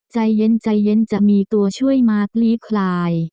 ใจเย็นจะมีตัวช่วยมากลีบคลาย